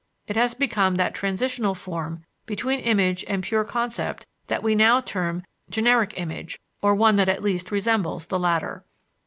It has become that transitional form between image and pure concept that we now term "generic image," or one that at least resembles the latter.